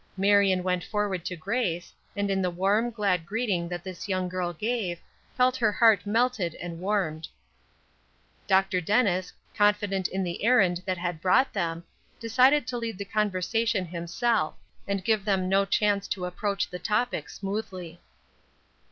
Marion went forward to Grace, and in the warm, glad greeting that this young girl gave, felt her heart melted and warmed. Dr. Dennis, confident in the errand that had brought them, decided to lead the conversation himself, and give them no chance to approach the topic smoothly.